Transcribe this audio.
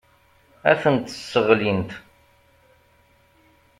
Ad tent-sseɣlint.